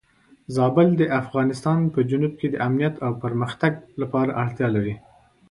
زابل د افغانستان په جنوب کې د امنیت او پرمختګ لپاره اړتیا لري.